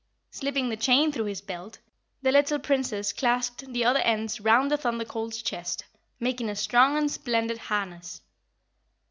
Slipping the chain through his belt, the little Princess clasped the other ends round the Thunder Colt's chest, making a strong and splendid harness.